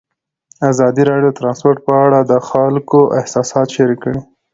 ازادي راډیو د ترانسپورټ په اړه د خلکو احساسات شریک کړي.